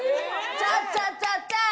ちょっちょっちょっちょっ！